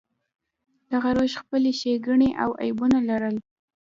دغه روش خپلې ښېګڼې او عیبونه لرل.